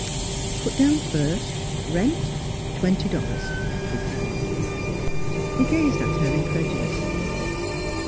" Put down first, rent twenty dollars," she commanded. He gazed at her incredulously.